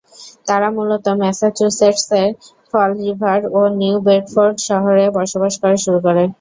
তারা মূলত ম্যাসাচুসেটসের ফল রিভার, ও নিউ বেডফোর্ড শহরে বসবাস করা শুরু করে।